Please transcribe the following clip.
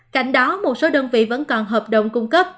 cạnh đó một số đơn vị vẫn còn hợp đồng cung cấp